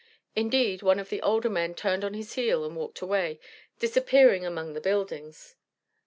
Indeed, one of the older men turned on his heel and walked away, disappearing among the buildings.